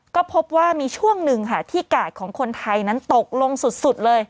ก็พบว่ามีช่วงหนึ่งค่ะที่กาดของคนไทยนั้นตกลงสุดเลย